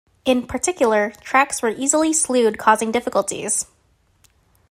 In particular, tracks were easily slewed causing difficulties.